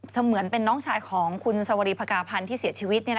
เหมือนเป็นน้องชายของคุณสวรีภากาพันธ์ที่เสียชีวิต